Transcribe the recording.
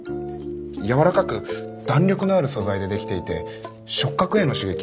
柔らかく弾力のある素材でできていて触覚への刺激を子どもたちに与えます。